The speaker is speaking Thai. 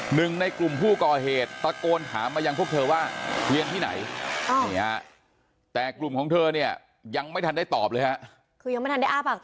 หนึ่งในกลุ่มผู้ก่อเหตุตะโกนถามมายังพวกเธอว่าเรียนที่ไหนแต่กลุ่มของเธอเนี่ยยังไม่ทันได้ตอบเลยฮะ